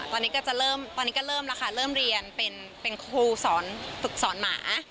ตอนนี้ก็เริ่มแล้วค่ะเริ่มเรียนเป็นครูฝึกสอนหมา